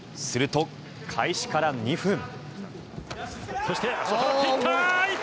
すると、開始から２分。